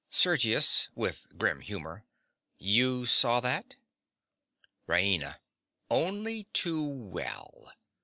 SERGIUS. (with grim humor). You saw that? RAINA. Only too well.